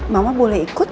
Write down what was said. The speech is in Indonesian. mama boleh ikut gak